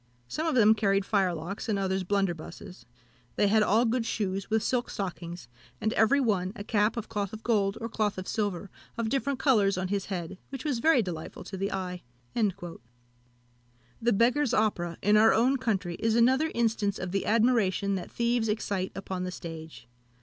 Some of them carried firelocks, and others blunderbusses; they had all good shoes, with silk stockings, and every one a cap of cloth of gold, or cloth of silver, of different colours, on his head, which was very delightful to the eye." See also Foreign Quarterly Review, vol. iv. p. 398. The Beggar's Opera, in our own country, is another instance of the admiration that thieves excite upon the stage.